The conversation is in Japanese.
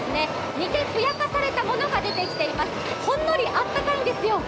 煮てふやかされたものが出てきています、ほんのり温かいんですよ。